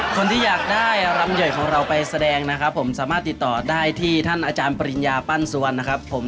คนที่อยากได้รำใหญ่ของเราไปแสดงนะครับผมสามารถติดต่อได้ที่ท่านอาจารย์ปริญญาปั้นสุวรรณนะครับผม